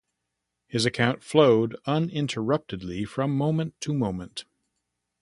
His account flowed uninterruptedly from moment to moment.